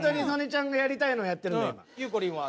ゆうこりんは？